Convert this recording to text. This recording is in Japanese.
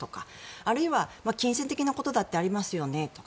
あるいは金銭的なことだってありますよねとか。